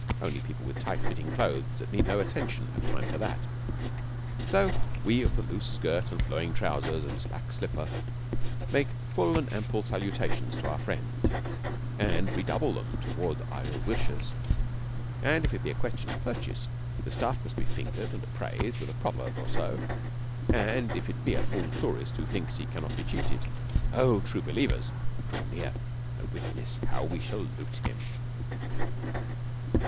Only people with tight fitting clothes that need no attention have time for that. So we of the loose skirt and flowing trousers and slack slipper make full and ample salutations to our friends, and redouble them toward our ill wishers, and if it be a question of purchase, the stuff must be fingered and appraised with a proverb or so, and if it be a fool tourist who thinks that he cannot be cheated, O true believers! draw near and witness how we shall loot him.